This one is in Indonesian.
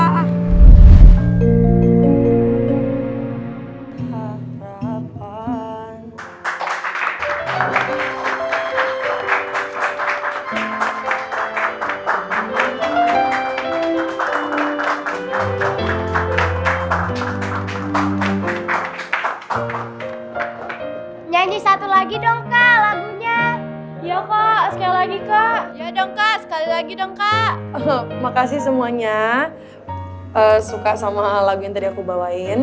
terima kasih lah